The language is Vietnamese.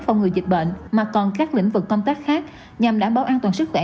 phòng ngừa dịch bệnh mà còn các lĩnh vực công tác khác nhằm đảm bảo an toàn sức khỏe